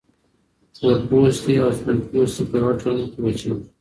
تورپوستي او سپین پوستي په یوه ټولنه کې اوسیږي.